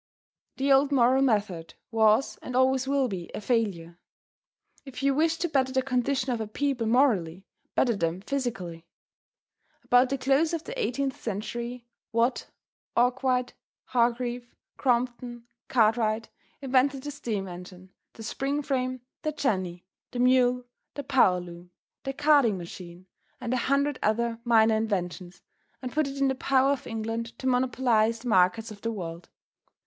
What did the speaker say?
The old moral method was and always will be a failure. If you wish to better the condition of a people morally, better them physically. About the close of the 18th Century, Watt, Arkwright, Hargreave, Crompton, Cartwright, invented the steam engine, the spring frame, the jenny, the mule, the power loom, the carding machine and a hundred other minor inventions, and put it in the power of England to monopolize the markets of the world.